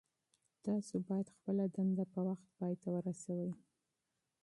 تاسو باید خپله دنده په وخت پای ته ورسوئ.